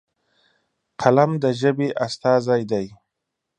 قلم د ژبې استازی دی.